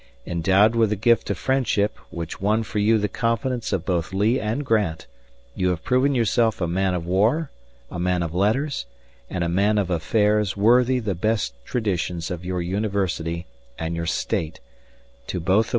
Endowed with the gift of friendship, which won for you the confidence of both Lee and Grant, you have proven yourself a man of war, a man of letters, and a man of affairs worthy the best traditions of your University and your State, to both of which you have been a loyal son.